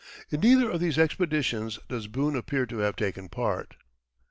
In neither of these expeditions does Boone appear to have taken part.